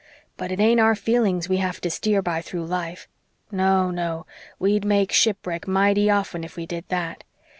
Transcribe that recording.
But it ain't our feelings we have to steer by through life no, no, we'd make shipwreck mighty often if we did that.